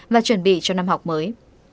và chuẩn bị cho năm học mới